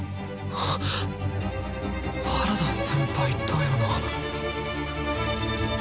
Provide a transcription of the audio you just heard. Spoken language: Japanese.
原田先輩だよな？